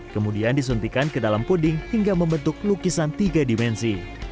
kemudian disuntikan ke dalam puding hingga membentuk lukisan tiga dimensi